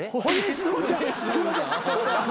すいません。